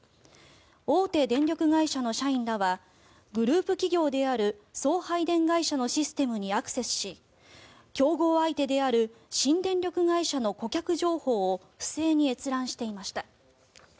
大手電力会社の社員らはグループ企業である送配電会社のシステムにアクセスし競合相手である新電力会社の顧客情報を不正に閲覧していました。